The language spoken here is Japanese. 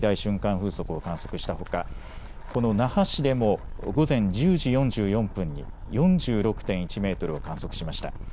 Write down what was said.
風速を観測したほか、この那覇市でも午前１０時４４分に４６．１メートルを観測しました。